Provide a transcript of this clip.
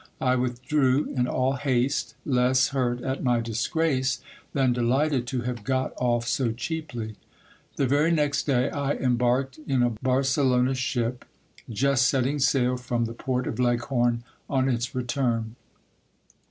I withdrew in all haste, less hurt at my disgrace, than delighted to have got off so cheaply. The very next day I embarked in a Barcelona ship, just setting sail from the port of Leghorn on its return.